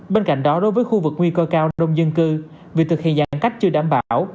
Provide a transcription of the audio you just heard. bên cạnh đó đối với khu vực nguy cơ cao đông dân cư việc thực hiện giãn cách chưa đảm bảo